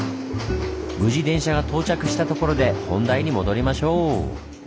無事電車が到着したところで本題に戻りましょう！